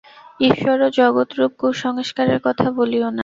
ঈশ্বর ও জগৎরূপ কুসংস্কারের কথা বলিও না।